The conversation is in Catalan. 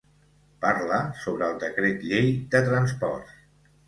Parla sobre el decret llei de transports.